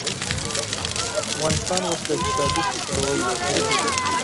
افغانستان اوس له اقتصادي پلوه یو غریب ملک دی.